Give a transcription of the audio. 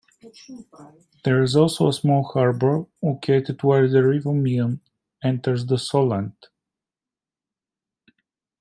There is also a small harbour, located where the River Meon enters the Solent.